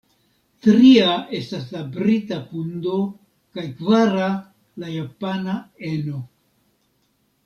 Tria estas la brita pundo kaj kvara la japana eno.